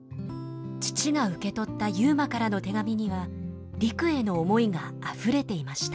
父が受け取った悠磨からの手紙には陸への思いがあふれていました。